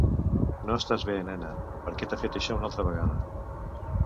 No estàs bé, nena; per què t'ha fet això una altra vegada...